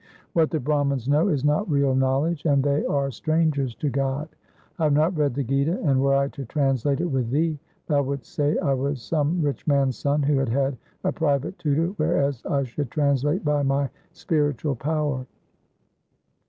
What the Brah mans know is not real knowledge, and they are strangers to God. I have not read the Gita, and were I to translate it with thee, thou wouldst say I was some rich man's son who had had a private tutor, whereas I should translate by my spiritual power.